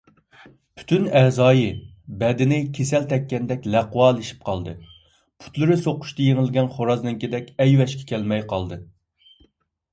پۈتۈن ئەزايى - بەدىنى كېسەل تەگكەندەك لەقۋالىشىپ قالدى، پۇتلىرى سوقۇشتا يېڭىلگەن خورازنىڭكىدەك ئەيۋەشكە كەلمەي قالدى.